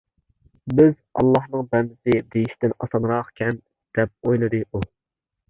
بىز-ئاللانىڭ بەندىسى دېيىشتىن ئاسانراقكەن، دەپ ئويلىدى ئۇ.